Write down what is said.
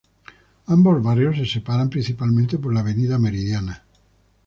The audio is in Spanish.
Ambos barrios se separan principalmente por la Avenida Meridiana.